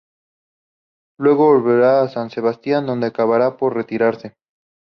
Luego volvería a San Sebastián, donde acabaría por retirarse.